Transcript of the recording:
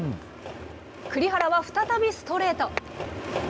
栗原は再びストレート。